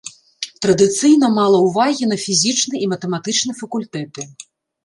Традыцыйна мала ўвагі на фізічны і матэматычны факультэты.